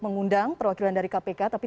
mengundang perwakilan dari kpk tapi